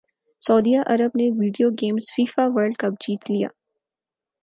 سعودی عرب نے video games FIFA world cup جیت لیا